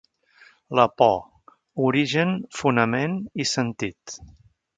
La por: origen, fonament i sentit.